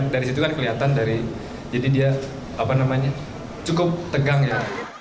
dari situ kan kelihatan dari jadi dia cukup tegang ya